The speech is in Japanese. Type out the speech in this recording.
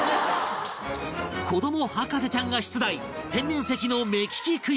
子ども博士ちゃんが出題天然石の目利きクイズ